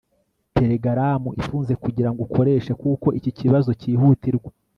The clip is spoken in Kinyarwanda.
Telegaramu ifunze kugirango ukoreshe kuko iki kibazo cyihutirwa